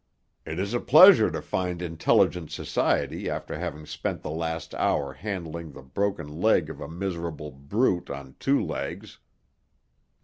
"It is a pleasure to find intelligent society after having spent the last hour handling the broken leg of a miserable brute on two legs.